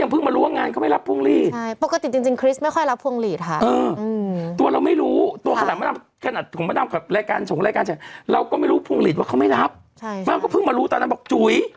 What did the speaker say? พวงฤทธิ์ว่าเขาไม่รับใช่ใช่มันก็เพิ่งมารู้ตอนนั้นบอกจุ๋ย